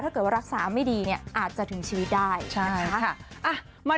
ถ้าเกิดว่ารักษาไม่ดีเนี่ยอาจจะถึงชีวิตได้นะคะ